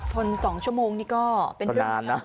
ทน๒ชั่วโมงต้องนานนะ